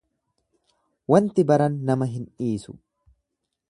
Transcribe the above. Wanti baran nama hin dhiisu.